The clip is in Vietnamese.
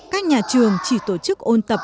các nhà trường chỉ tổ chức ôn tập